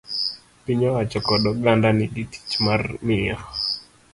Piny owacho kod oganda nigi tich mar miyo